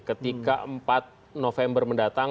ketika empat november mendatang